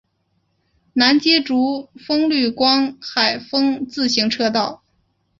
南接竹风绿光海风自行车道。